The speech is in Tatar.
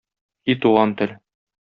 И туган тел!